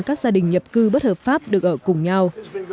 các gia đình nhập cư bất hợp pháp được ở cùng nhau